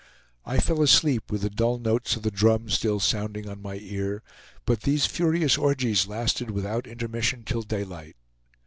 I fell asleep with the dull notes of the drum still sounding on my ear, but these furious orgies lasted without intermission till daylight.